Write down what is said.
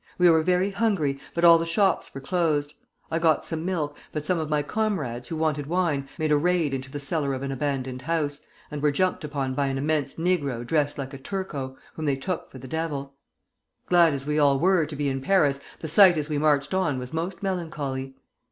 We were very hungry, but all the shops were closed. I got some milk, but some of my comrades, who wanted wine, made a raid into the cellar of an abandoned house, and were jumped upon by an immense negro dressed like a Turco, whom they took for the devil. Glad as we all were to be in Paris, the sight as we marched on was most melancholy.